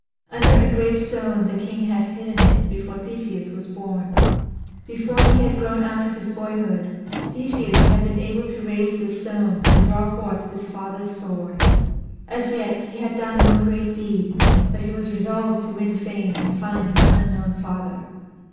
Under a great stone the king had hidden it before Theseus was born. Before he had grown out of his boyhood Theseus had been able to raise the stone and draw forth his father's sword. As yet he had done no great deed, but he was resolved to win fame and to find his unknown father.